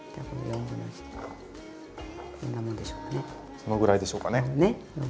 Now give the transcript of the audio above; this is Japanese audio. そのぐらいでしょうかね。